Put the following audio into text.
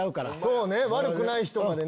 そうね悪くない人までね。